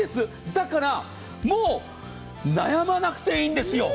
だから、もう悩まなくていいんですよ。